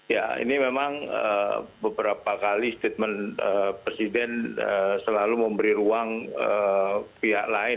ya ini memang beberapa kali statement presiden selalu memberi ruang pihak lain